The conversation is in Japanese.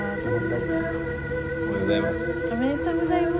おめでとうございます。